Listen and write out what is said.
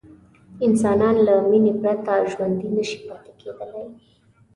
انسانان له مینې پرته ژوندي نه شي پاتې کېدلی.